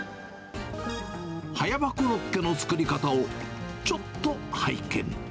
葉山コロッケの作り方をちょっと拝見。